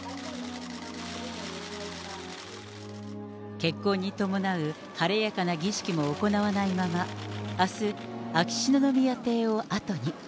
結婚に伴う晴れやかな儀式も行わないまま、あす、秋篠宮邸を後に。